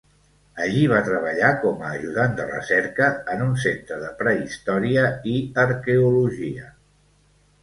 Allí va treballar com a ajudant de recerca en un centre de prehistòria i arqueologia.